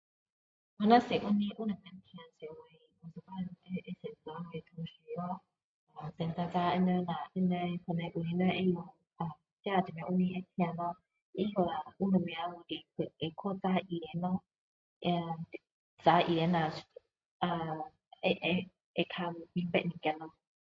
我若是身体有什么痛的时候，我有时会先问我的同事啰。先问下她们可能有人会知晓咯。这做么身体会痛啰。那有什么，再去问医生啰。那，问医生啦，啊会，会较明白一点啰。